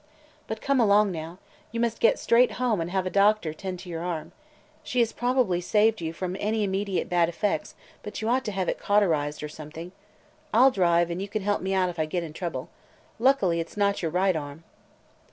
But come along now. You must get straight home and have a doctor tend to your arm. She has probably saved you from any immediate bad effects, but you ought to have it cauterized – or something. I 'll drive, and you can help me out if I get in trouble. Lucky it 's not your right arm!"